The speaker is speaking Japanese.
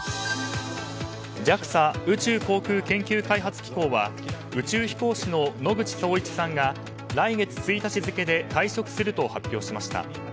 ＪＡＸＡ・宇宙航空研究開発機構は宇宙飛行士の野口聡一さんが来月１日付で退職すると発表しました。